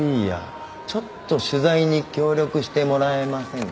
ちょっと取材に協力してもらえませんかね？